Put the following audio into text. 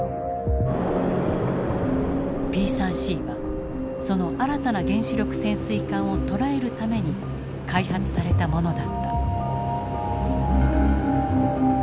Ｐ３Ｃはその新たな原子力潜水艦を捉えるために開発されたものだった。